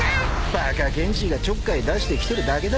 ［バカ剣士がちょっかい出してきてるだけだ］